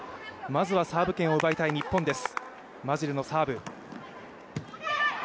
まずはサーブ権を奪いたい日本です。